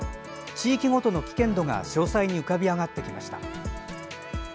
地域ごとの危険度が詳細に浮かび上がってきました。